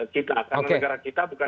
kita karena negara kita bukan